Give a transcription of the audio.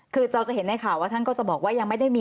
คือเราจะเห็นในข่าวว่าท่านก็จะบอกว่ายังไม่ได้มี